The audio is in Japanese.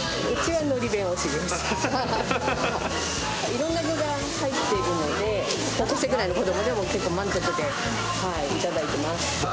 いろんな具材が入っているので高校生ぐらいの子供でも満足していただいています。